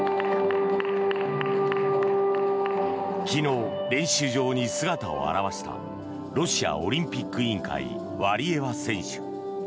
昨日、練習場に姿を現したロシアオリンピック委員会ワリエワ選手。